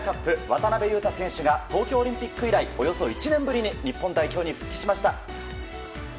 渡邊雄太選手が東京オリンピック以来およそ１年ぶりに日本代表に復帰しました。